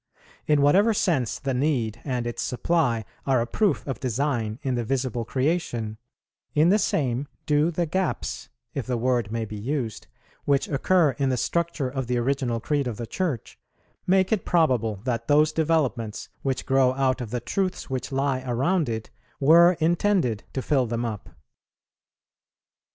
In whatever sense the need and its supply are a proof of design in the visible creation, in the same do the gaps, if the word may be used, which occur in the structure of the original creed of the Church, make it probable that those developments, which grow out of the truths which lie around it, were intended to fill them up.